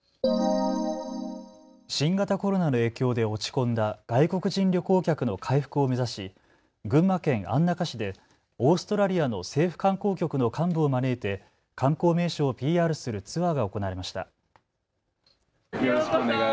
新型コロナの影響で落ち込んだ外国人旅行客の回復を目指し群馬県安中市でオーストラリアの政府観光局の幹部を招いて観光名所をＰＲするツアーが行われました。